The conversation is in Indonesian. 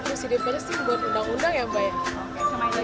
fungsi dpr itu buat undang undang ya mbak